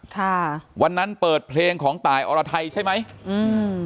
ค่ะวันนั้นเปิดเพลงของตายอรไทยใช่ไหมอืม